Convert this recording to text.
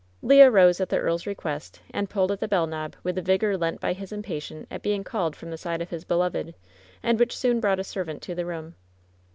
Le arose at the earl's request, and pulled at the bell knob with a vigor lent by his impatience at being called from the side of his beloved, and which soon brought a servant to the room.